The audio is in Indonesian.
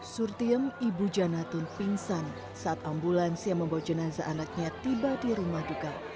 surtiem ibu janatun pingsan saat ambulans yang membawa jenazah anaknya tiba di rumah duka